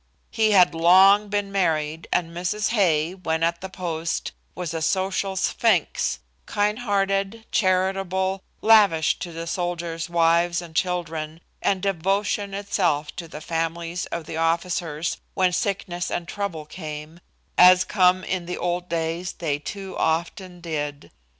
He had long been married, and Mrs. Hay, when at the post, was a social sphinx, kind hearted, charitable, lavish to the soldiers' wives and children, and devotion itself to the families of the officers when sickness and trouble came, as come in the old days they too often did.